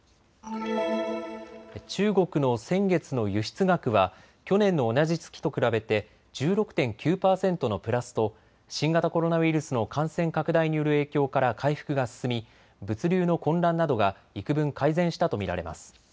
中国の先月の輸出額は去年の同じ月と比べて１６．９％のプラスと新型コロナウイルスの感染拡大による影響から回復が進み物流の混乱などがいくぶん改善したと見られます。